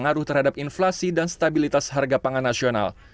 pengaruh terhadap inflasi dan stabilitas harga pangan nasional